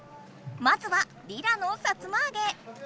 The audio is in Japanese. まずはリラのさつまあげ。